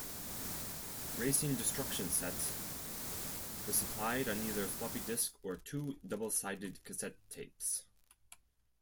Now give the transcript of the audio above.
"Racing Destruction Set" was supplied on either floppy disk or two double-sided cassette tapes.